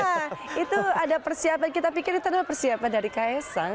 iya itu ada persiapan kita pikir itu adalah persiapan dari ksang